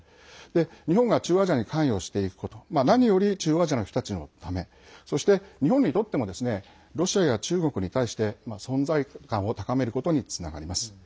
日本が中央アジアに関与していくこと何より中央アジアの人たちのためそして、日本にとってもロシアや中国に対して存在感を高めることにつながります。